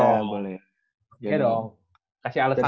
oke dong kasih alasannya